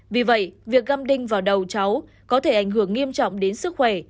vì vậy việc găm đinh vào đầu cháu có thể ảnh hưởng nghiêm trọng đến sức khỏe